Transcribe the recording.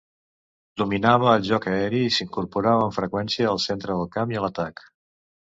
Dominava el joc aeri i s'incorporava amb freqüència al centre del camp i a l'atac.